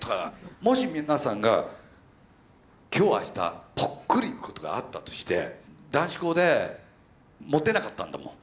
もし皆さんが今日あしたぽっくり逝くことがあったとして男子校でモテなかったんだもん。